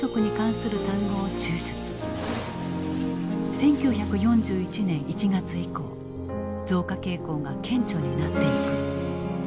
１９４１年１月以降増加傾向が顕著になっていく。